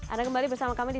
anda kembali bersama kami di